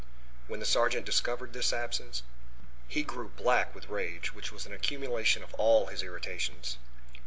When the sergeant discovered this absence, he grew black with a rage which was an accumulation of all his irritations.